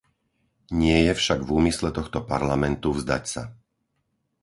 Nie je však v úmysle tohto Parlamentu vzdať sa.